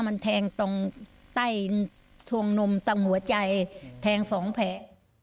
มันแทงตรงใต้ทวงนมตรงหัวใจแทงสองแผล